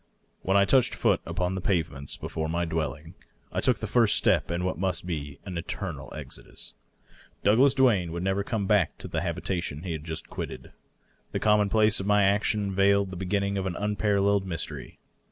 When I touched foot upon the pavements before my dwelling I took the first step in what must be an eternal exodus. Douglas Duane would never come back to the habitation he had just quitted. The commonplace of my action veiled the b^inning of an unparalleled mystery.